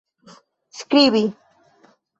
skribi